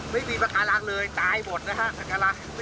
ไม่มีปากการังเลยแต่ตายหมดนะครับ